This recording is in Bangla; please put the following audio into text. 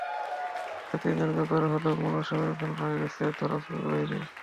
এরপর তিনজন গ্রেপ্তার হলেও মূল আসামি এখনো রয়ে গেছেন ধরাছোঁয়ার বাইরে।